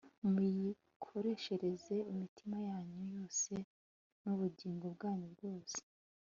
muyikoreshereze imitima yanyu yose nubugingo bwanyu bwose